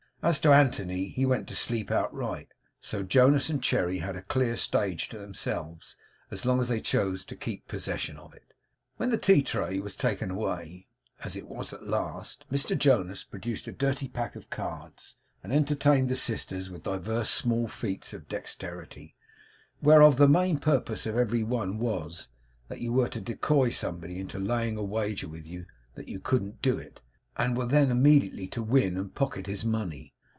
As to Anthony, he went to sleep outright, so Jonas and Cherry had a clear stage to themselves as long as they chose to keep possession of it. When the tea tray was taken away, as it was at last, Mr Jonas produced a dirty pack of cards, and entertained the sisters with divers small feats of dexterity: whereof the main purpose of every one was, that you were to decoy somebody into laying a wager with you that you couldn't do it; and were then immediately to win and pocket his money.